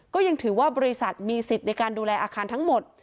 ก็ยังถือว่าบริษัทมีสิทธิ์ในการดูแลอาคารทั้งหมด